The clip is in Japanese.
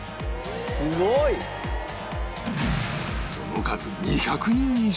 すごい！その数２００人以上